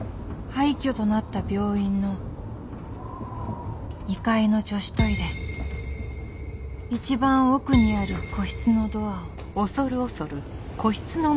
廃虚となった病院の２階の女子トイレ一番奥にある個室のドアを